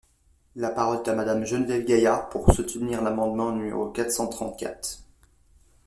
La parole est à Madame Geneviève Gaillard, pour soutenir l’amendement numéro quatre cent trente-quatre.